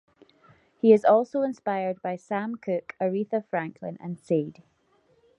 He is also inspired by Sam Cooke, Aretha Franklin and Sade.